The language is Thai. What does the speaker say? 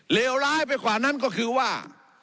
เลวร้ายไปกว่านั้นก็คือว่า